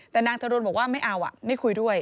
แต่นางจรูนบอกว่าไม่เอาไม่คุยด้วย